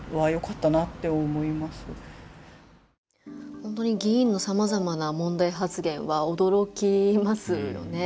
本当に議員のさまざまな問題発言は、驚きますよね。